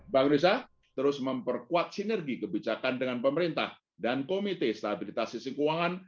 pertama memperkuat sinergi kebijakan dengan pemerintah dan komite stabilitas sisi keuangan